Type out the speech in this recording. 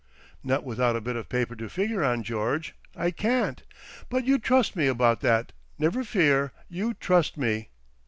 "Not without a bit of paper to figure on, George, I can't. But you trust me about that never fear. You trust me."